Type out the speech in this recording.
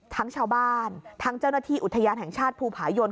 ทั้งชาวบ้านทั้งเจ้าหน้าที่อุทยานแห่งชาติภูผายน